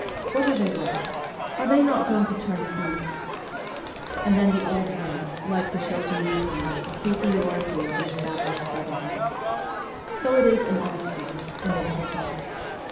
What are they worth ? Are they not going to turn ' sneaks '? And then the ' old hands ' like to show to new comers the superiority of an established brotherhood. So it is in all schools and in prisons.